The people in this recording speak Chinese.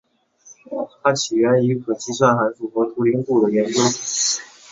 它起源于可计算函数和图灵度的研究。